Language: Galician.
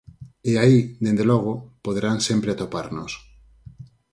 E aí, dende logo, poderán sempre atoparnos.